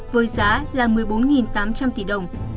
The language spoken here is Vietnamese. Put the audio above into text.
với giá là một mươi bốn tám trăm linh tỷ đồng